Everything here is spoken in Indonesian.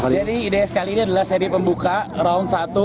jadi ide kali ini adalah seri pembuka round satu